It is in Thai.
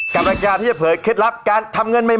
กับรายการที่จะเผยเคล็ดลับการทำเงินใหม่